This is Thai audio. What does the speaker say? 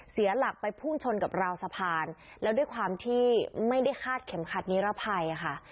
เสียหลักไปพุ่งชนกับราวสะพานแล้วด้วยความที่ไม่ได้คาดเข็มขัดนิรภัยค่ะ